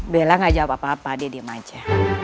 bella gak jawab apa apa dia diam aja